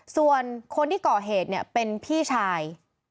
ส่วนคนที่ก่อเหตุเนี่ยเป็นพี่ชาย